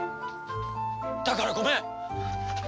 だからごめん！